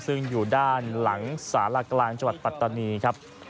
ซึ่งอยู่ด้านหลังสารกลางจังหวัดปัตตานีครับ